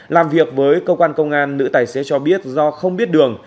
làm việc với cơ quan công an nữ tài xế cho biết do không biết đường